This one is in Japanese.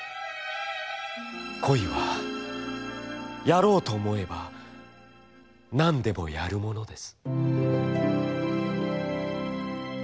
「恋はやろうと思えばなんでもやるものです」。